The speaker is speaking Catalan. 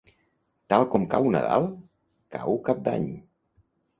Tal com cau Nadal, cau Cap d'Any.